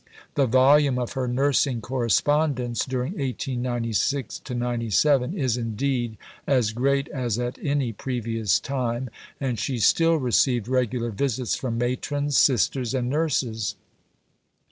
The volume of her nursing correspondence during 1896 97 is, indeed, as great as at any previous time, and she still received regular visits from matrons, sisters, and nurses.